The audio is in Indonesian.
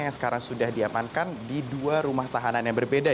yang sekarang sudah diamankan di dua rumah tahanan yang berbeda